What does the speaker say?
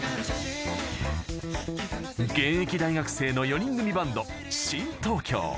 現役大学生の４人組バンド新東京。